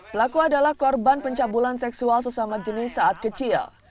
pelaku adalah korban pencabulan seksual sesama jenis saat kecil